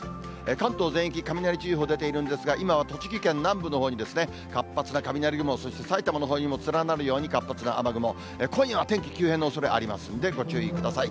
関東全域、雷注意報出ているんですが、今は栃木県南部のほうに、活発な雷雲、そして埼玉のほうにも連なるように活発な雨雲、今夜は天気急変のおそれありますんで、ご注意ください。